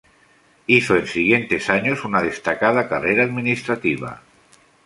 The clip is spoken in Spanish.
Hizo en siguientes años una destacada carrera administrativa.